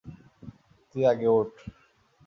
তুই আগে উঠ।